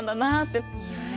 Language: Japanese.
いいよね。